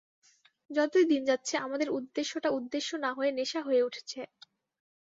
যতই দিন যাচ্ছে, আমাদের উদ্দেশ্যটা উদ্দেশ্য না হয়ে নেশা হয়ে উঠছে।